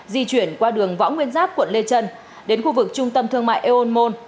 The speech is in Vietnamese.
di chuyển qua đường võ nguyên giáp quận lê trân đến khu vực trung tâm thương mại eon môn